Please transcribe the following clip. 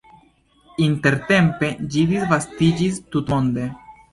Intertempe ĝi disvastiĝis tutmonde.